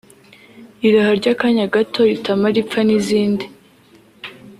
« Irahary’akanya gato ritamara ipfa » n’izindi